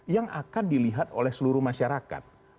yang akan dilihat oleh seluruh masyarakat